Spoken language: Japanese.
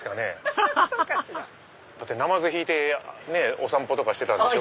ハハハハだってなまず引いてお散歩とかしてたんでしょ。